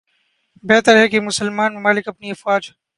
بہتر ہے کہ مسلمان ممالک اپنی افواج